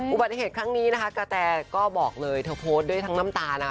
อุบัติเหตุครั้งนี้นะคะกระแตก็บอกเลยเธอโพสต์ด้วยทั้งน้ำตานะ